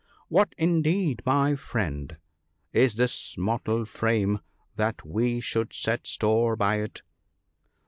What, indeed, my friend, is this mortal frame, that we should set store by it